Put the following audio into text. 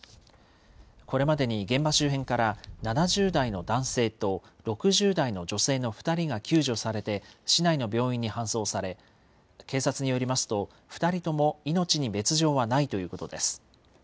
これまでに現場周辺から７０代の男性と６０代の女性の２人が救助されて、市内の病院に搬送され、警察によりますと、２人とも命に別状はないということです。